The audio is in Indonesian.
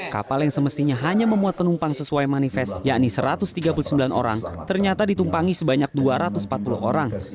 kapal yang semestinya hanya memuat penumpang sesuai manifest yakni satu ratus tiga puluh sembilan orang ternyata ditumpangi sebanyak dua ratus empat puluh orang